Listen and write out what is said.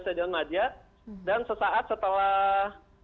stadion madia dan sesaat setelah